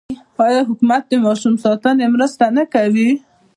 آیا حکومت د ماشوم ساتنې مرسته نه کوي؟